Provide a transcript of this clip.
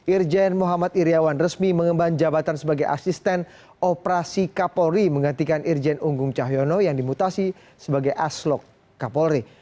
irjen muhammad iryawan resmi mengemban jabatan sebagai asisten operasi kapolri menggantikan irjen unggung cahyono yang dimutasi sebagai aslok kapolri